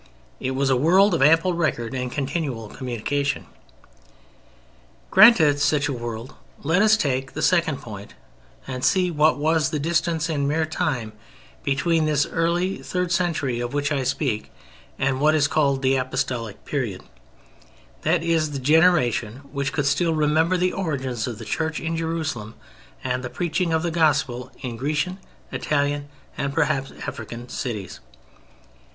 It was a world of ample record and continual communication. Granted such a world let us take the second point and see what was the distance in mere time between this early third century of which I speak and what is called the Apostolic period; that is, the generation which could still remember the origins of the Church in Jerusalem and the preaching of the Gospel in Grecian, Italian, and perhaps African cities.